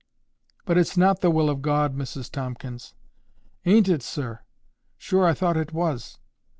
"But it's not the will of God, Mrs Tomkins." "Ain't it, sir? Sure I thought it was."